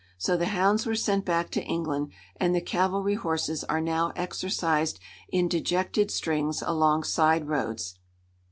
So the hounds were sent back to England, and the cavalry horses are now exercised in dejected strings along side roads.